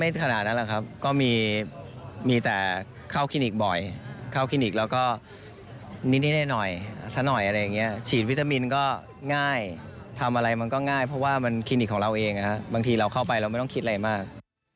ขนาดนั้นแหละครับก็มีแต่เข้าคลินิกบ่อยเข้าคลินิกแล้วก็นิดหน่อยสักหน่อยอะไรอย่างนี้ฉีดวิตามินก็ง่ายทำอะไรมันก็ง่ายเพราะว่ามันคลินิกของเราเองบางทีเราเข้าไปเราไม่ต้องคิดอะไรมาก